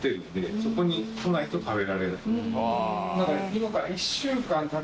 今から。